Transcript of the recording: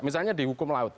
misalnya di hukum laut